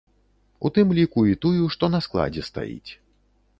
У тым ліку і тую, што на складзе стаіць.